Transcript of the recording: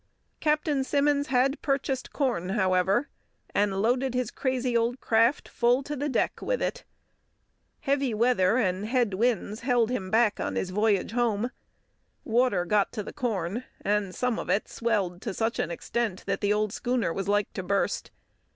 Captain Simmons had purchased corn, however, and loaded his crazy old craft full to the deck with it. Heavy weather and head winds held him back on his voyage home. Water got to the corn, and some of it swelled to such an extent that the old schooner was like to burst.